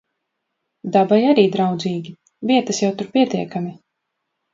Dabai arī draudzīgi. Vietas jau tur pietiekami.